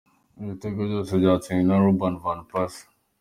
Ibitego byose byatsinzwe na Robin Van Persie .